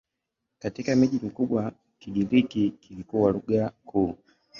Katika miji mikubwa Kigiriki kilikuwa lugha kuu.